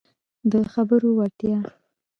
د خبرو وړتیا